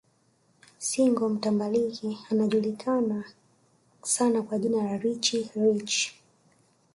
Single mtambalike anajulikana sana kwa jina la Richie Rich